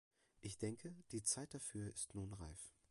Ich denke, die Zeit dafür ist nun reif.